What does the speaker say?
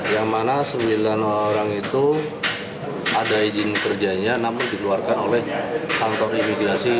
yang mana sembilan orang itu ada izin kerjanya namun dikeluarkan oleh kantor imigrasi